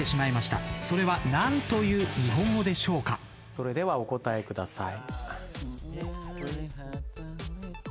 それではお答えください。